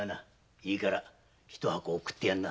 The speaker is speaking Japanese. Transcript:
いいから一箱送ってやんな。